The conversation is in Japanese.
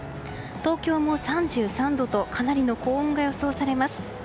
東京も３３度とかなりの高温が予想されます。